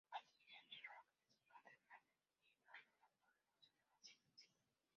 Patrick Henry Roark es cardenal y el hombre más poderoso de Basin City.